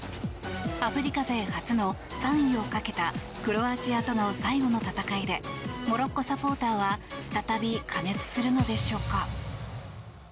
アフリカ勢初の３位をかけたクロアチアとの最後の戦いでモロッコサポーターは再び過熱するのでしょうか？